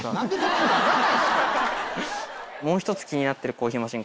もう１つ気になってるコーヒーマシン